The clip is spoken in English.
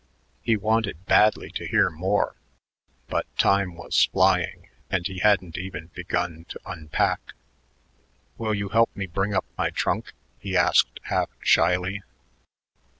He wanted badly to hear more, but time was flying and he hadn't even begun to unpack. "Will you help me bring up my trunk?" he asked half shyly.